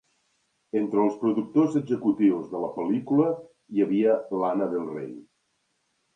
Entre els productors executius de la pel·lícula hi havia Lana Del Rey.